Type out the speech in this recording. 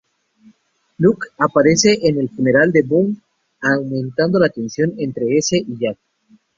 Locke aparece en el funeral de Boone, aumentando la tensión entre ese y Jack.